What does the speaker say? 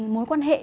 mối quan hệ